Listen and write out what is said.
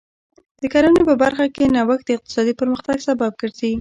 د کرنې په برخه کې نوښت د اقتصادي پرمختګ سبب ګرځي.